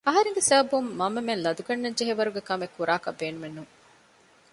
އަހަރެންގެ ސަބަބުން މަންމަމެން ލަދު ގަންނަންޖެހޭ ވަރުގެ ކަމެއް ކުރާކަށް ބޭނުމެއް ނޫން